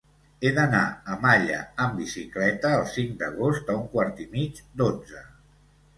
He d'anar a Malla amb bicicleta el cinc d'agost a un quart i mig d'onze.